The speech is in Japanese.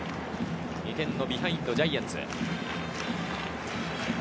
２点のビハインド、ジャイアンツ。